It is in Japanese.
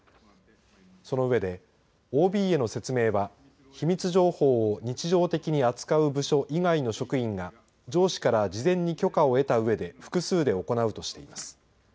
その上で、ＯＢへの説明は秘密情報を日常的に扱う部署以外の職員が上司から事前に許可を得たうえで複数で行うとしています。